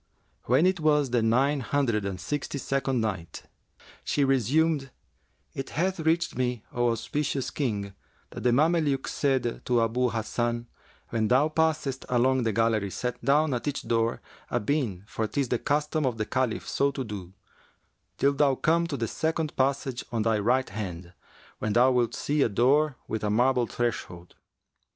When it was the Nine Hundred and Sixty second Night, She resumed, It hath reached me, O auspicious King, that the Mameluke said to Abu Hasan, "When thou passest along the gallery set down at each door a bean for 'tis the custom of the Caliph so to do, till thou come to the second passage on thy right hand, when thou wilt see a door with a marble threshold